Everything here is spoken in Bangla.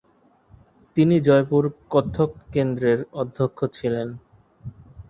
তিনি জয়পুর কত্থক কেন্দ্রের অধ্যক্ষ ছিলেন।